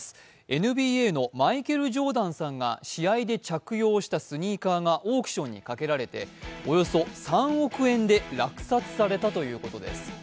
ＮＢＡりマイケル・ジョーダンさんが着用したスニーカーがオークションにかけられておよそ３億円で落札されたということです。